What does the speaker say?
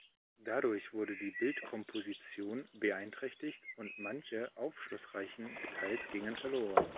Dadurch wurde die Bildkomposition beeinträchtigt und manche aufschlussreichen Details gingen verloren.